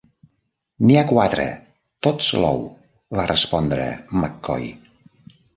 "N'hi ha quatre, tots low", va respondre McCoy.